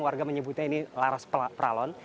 warga menyebutnya ini laras peralon